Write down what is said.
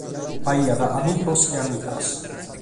B’aiat amigos e amigas.